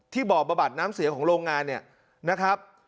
บ่อบำบัดน้ำเสียของโรงงานเนี่ยนะครับ